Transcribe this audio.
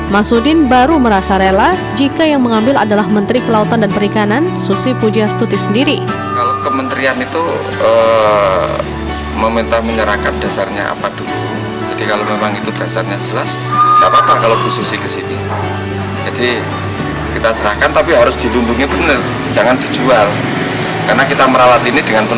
masudin baru merasa rela jika yang mengambil adalah menteri kelautan dan perikanan susi puji astuti sendiri